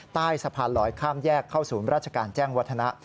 ใต้สะพานลอยข้ามแยกเข้าศูนย์ราชการแจ้งวัฒนะ